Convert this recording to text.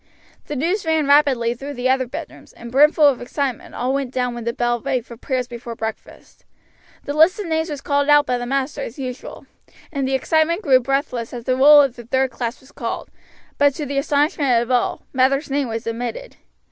The news ran rapidly through the other bedrooms, and brimful of excitement all went down when the bell rang for prayers before breakfast. The list of names was called out by the master as usual, and the excitement grew breathless as the roll of the third class was called; but to the astonishment of all, Mather's name was omitted.